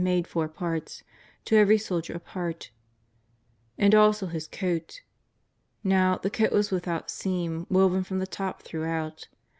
made four parts, to every soldier a part, and also His coat. iSTow, the coat was without seam, woven from the top throughout.